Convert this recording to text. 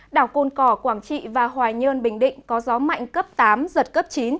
đảo côn cỏ quảng trị và hoài nhơn bình định có gió mạnh cấp tám giật cấp chín